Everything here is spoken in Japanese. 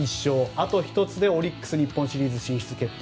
あと１つでオリックス日本シリーズ進出決定